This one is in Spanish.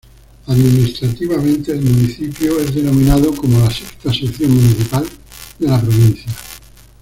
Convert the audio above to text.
Administrativamente, el municipio es denominado como la "sexta sección municipal" de la provincia.